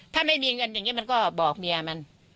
ถ้าไม่มีเงินอย่างนี้มันก็บอกเมียมัน